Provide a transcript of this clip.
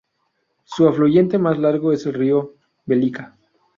Su afluente más largo es el río Velika.